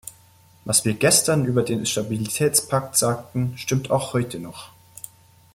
Was wir gestern über den Stabilitätspakt sagten, stimmt auch heute noch.